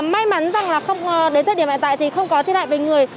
may mắn rằng là đến thời điểm hiện tại thì không có thiết hại về người